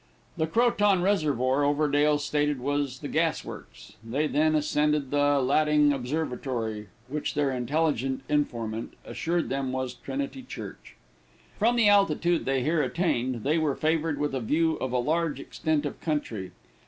The Croton Reservoir, Overdale stated was the gas works. They then ascended the Latting Observatory, which their intelligent informant assured them was Trinity Church. From the altitude they here attained, they were favored with a view of a large extent of country.